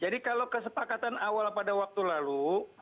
jadi kalau kesepakatan awal pada waktu lalu